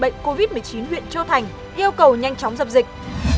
bệnh covid một mươi chín huyện châu thành yêu cầu nhanh chóng dập dịch